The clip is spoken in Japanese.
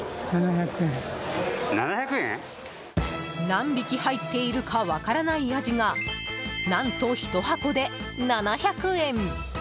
何匹入っているか分からないアジが、何と１箱で７００円！